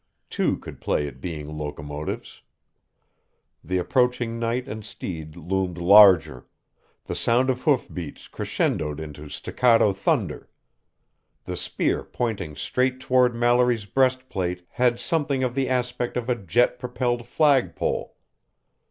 Two could play at being locomotives. The approaching knight and steed loomed larger; the sound of hoofbeats crescendoed into staccato thunder. The spear pointing straight toward Mallory's breastplate had something of the aspect of a jet propelled flagpole.